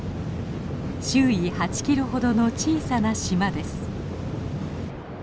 周囲８キロほどの小さな島です。